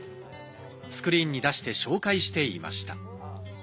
スクリーンに出して紹介していました。